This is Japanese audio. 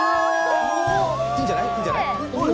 いいんじゃない？